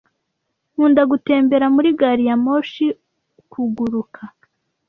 Nkunda gutembera muri gari ya moshi kuguruka.